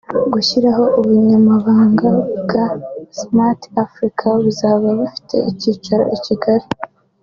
gushyiraho ubunyamabanga bwa Smart Africa buzaba bufite ikicaro i Kigali